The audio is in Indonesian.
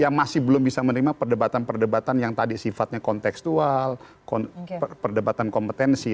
yang masih belum bisa menerima perdebatan perdebatan yang tadi sifatnya konteksual perdebatan kompetensi